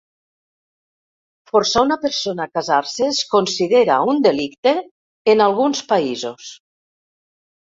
Forçar una persona a casar-se es considera un delicte en alguns països.